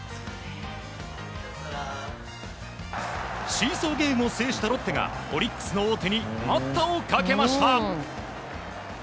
シーソーゲームを制したロッテがオリックスの王手に待ったをかけました。